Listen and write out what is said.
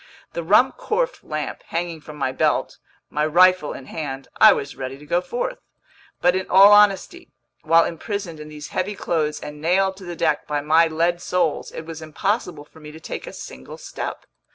The Ruhmkorff lamp hanging from my belt, my rifle in hand, I was ready to go forth. But in all honesty, while imprisoned in these heavy clothes and nailed to the deck by my lead soles, it was impossible for me to take a single step.